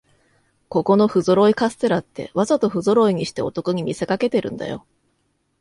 ここのふぞろいカステラって、わざとふぞろいにしてお得に見せかけてるんだよ